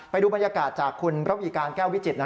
ไปดูบรรยากาศจากคุณระวีการแก้ววิจิตร